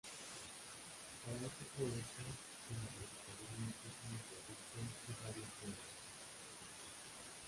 Para este proyecto se necesitarían muchísimos viaductos y varios túneles.